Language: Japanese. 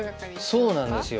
そうなんですよ。